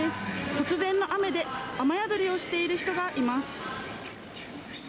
突然の雨で、雨宿りをしている人がいます。